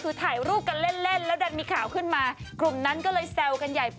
ตอนนี้เรียกว่าเป็นแบบตำแหน่งเจ้าแม่พรีเซนเตอร์กันเลยทีเดียวนะคะ